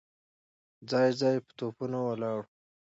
ځای ځای به توپونه ولاړ وو.